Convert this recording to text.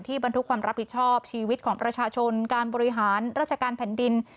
บรรทุกความรับผิดชอบชีวิตของประชาชนการบริหารราชการแผ่นดิน